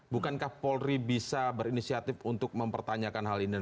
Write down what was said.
bukankah polri bisa berinisiatif untuk mempertanyakan hal ini